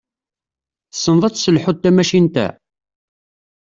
Tessneḍ ad tesselḥuḍ tamacint-a?